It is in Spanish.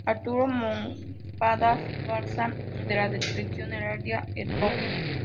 Arturo Moncada Garza; y de la descripción heráldica, el Prof.